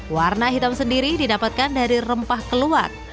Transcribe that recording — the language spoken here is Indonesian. warna hitam sendiri didapatkan dari rempah keluar